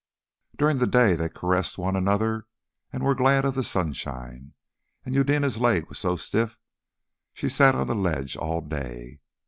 During the day they caressed one another and were glad of the sunshine, and Eudena's leg was so stiff she sat on the ledge all day.